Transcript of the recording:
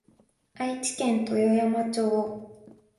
愛知県豊山町